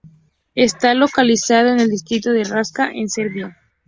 Está localizado en el distrito de Raška, en Serbia.